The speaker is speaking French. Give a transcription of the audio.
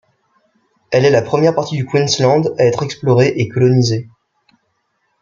Elle est la première partie du Queensland à être explorée et colonisée.